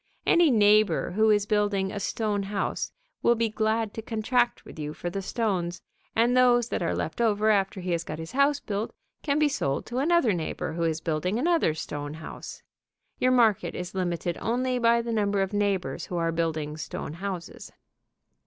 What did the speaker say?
Any neighbor who is building a stone house will be glad to contract with you for the stones, and those that are left over after he has got his house built can be sold to another neighbor who is building another stone house. Your market is limited only by the number of neighbors who are building stone houses.